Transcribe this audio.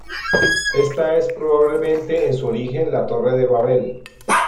Esta es probablemente en su origen la torre de Babel.